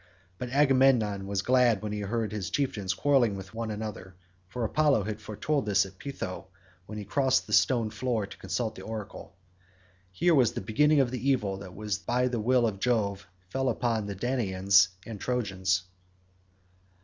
But Agamemnon was glad when he heard his chieftains quarrelling with one another, for Apollo had foretold him this at Pytho when he crossed the stone floor to consult the oracle. Here was the beginning of the evil that by the will of Jove fell both upon Danaans and Trojans.